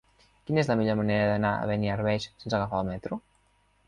Quina és la millor manera d'anar a Beniarbeig sense agafar el metro?